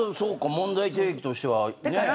問題提起としてはね。